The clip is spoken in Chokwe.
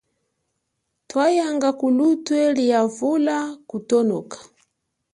Twanyanga kulutwe lia vula kunoka.